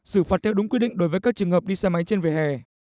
sử phạt theo đúng quy định đối với các trường hợp đi xe máy trên về hè